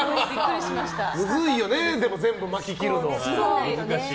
むずいよね、全部巻き切るの。